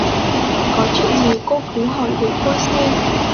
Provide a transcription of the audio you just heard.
Có chuyện gì cô cứ hỏi để tôi xem